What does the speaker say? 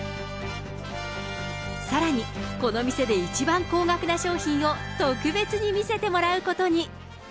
さらに、この店で一番高額な商品を特別に見せてもらうことに。